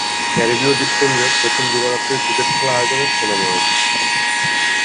ক্যারিবীয় দ্বীপপুঞ্জের প্রথম দিবা-রাত্রির ক্রিকেট খেলা আয়োজনের সুনাম রয়েছে।